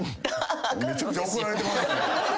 めちゃくちゃ怒られてます。